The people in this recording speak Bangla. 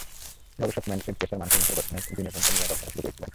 গবেষক ম্যানফ্রেড কেসার মানুষের মুখের গঠনে জিনের ভূমিকা নিয়ে গবেষণা শুরু করেছিলেন।